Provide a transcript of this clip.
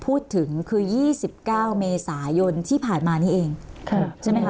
พูดถึงคือยี่สิบเก้าเมษายนที่ผ่านมานี้เองค่ะใช่ไหมคะ